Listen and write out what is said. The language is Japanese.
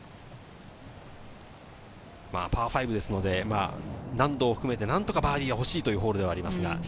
パー５ですので、難度を含めて、何とかバーディーが欲しいというホールではあります。